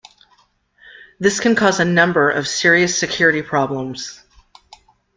This can cause a number of serious security problems.